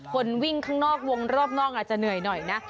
คนวิ่งข้างนอกวงรอบนอกอาจจะเหนื่อยหน่อยนะ